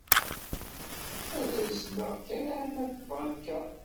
Ad azzleɣ kan arma d tabanka.